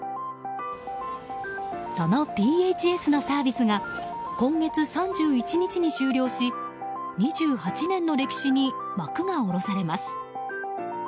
そのＰＨＳのサービスが今月３１日に終了し２８年の歴史に幕が下ろされます。